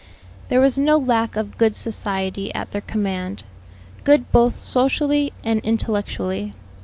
There was no lack of good society at their command; good both socially and intellectually.